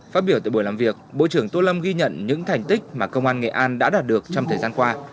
phát biểu tại buổi làm việc bộ trưởng tô lâm ghi nhận những thành tích mà công an nghệ an đã đạt được trong thời gian qua